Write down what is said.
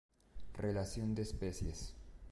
Relación de especies.